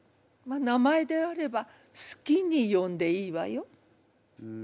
名前であれば好きに呼んでいいわよ。